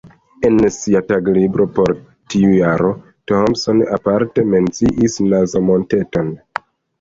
En sia taglibro por tiu jaro Thompson aparte menciis Nazo-Monteton.